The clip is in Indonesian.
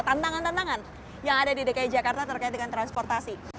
tantangan tantangan yang ada di dki jakarta terkait dengan transportasi